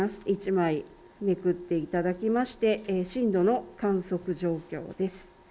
１枚めくっていただきまして、震度の観測状況です。